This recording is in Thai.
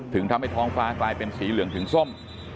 ทำให้ท้องฟ้ากลายเป็นสีเหลืองถึงส้ม